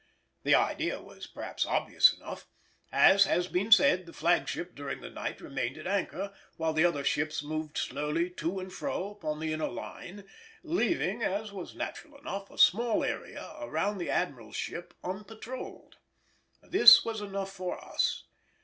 The idea was perhaps obvious enough. As has been said, the flagship during the night remained at anchor, while the other ships moved slowly to and fro upon the inner line, leaving, as was natural enough, a small area round the Admiral's ship unpatrolled. This was enough for us.